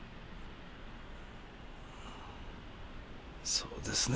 そうですね